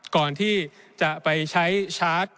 ก่อนที่จะไปใช้ชาร์จ